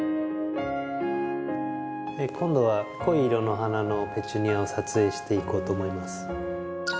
今度は濃い色の花のペチュニアを撮影していこうと思います。